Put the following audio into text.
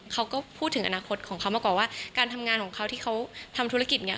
เขาก็พูดถึงอนาคตของเขามาก่อนว่าการทำงานของเขาที่เขาทำธุรกิจเนี่ย